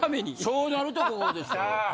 そうなるとそうですよ。